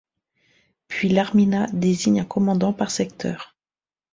Puis Larminat désigne un commandant par secteur.